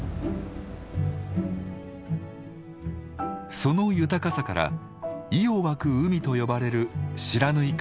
その豊かさから「魚湧く海」と呼ばれる不知火海。